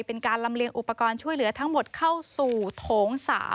เป็นการลำเลียงอุปกรณ์ช่วยเหลือทั้งหมดเข้าสู่โถง๓